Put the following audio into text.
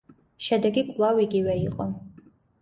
შედეგი კვლავ იგივე იყო.